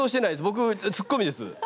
僕、ツッコミです。